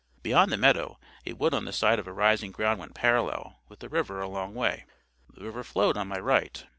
Beyond the meadow, a wood on the side of a rising ground went parallel with the river a long way. The river flowed on my right.